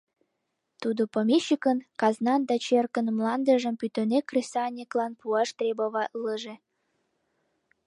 Тудо помещикын, казнан да черкын мландыжым пӱтынек кресаньыклан пуаш требоватлыже.